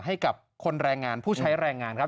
ให้กับคนแรงงานผู้ใช้แรงงานครับ